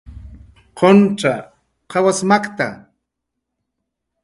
¿Qawas makta, quntza?